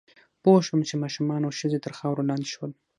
پوه شوم چې ماشومان او ښځې تر خاورو لاندې شول